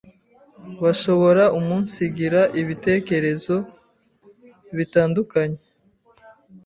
bashobora umunsigira ibitekerezo bitandukanye